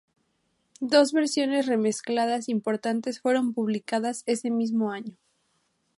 Dos versiones remezcladas importantes fueron publicadas ese mismo año.